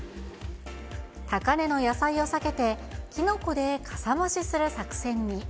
高値の野菜を避けて、キノコでかさ増しする作戦に。